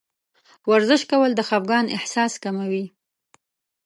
ورزش کول د خفګان احساس کموي.